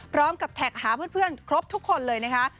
พร้อมกับแท็กหาเพื่อนครบทุกคนเลยนะคะ